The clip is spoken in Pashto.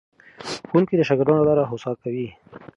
ښوونکي د شاګردانو لاره هوسا کوي.